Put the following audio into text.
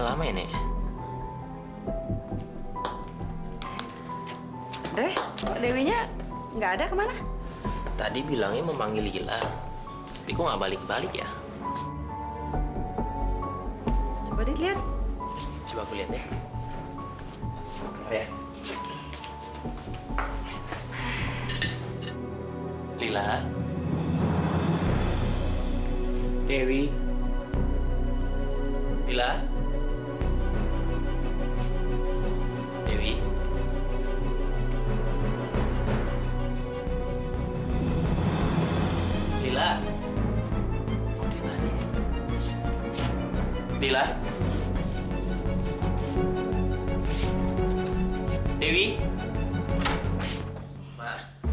sampai jumpa di video selanjutnya